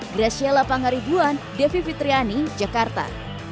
graciala pangaribuan devi fitriani jakarta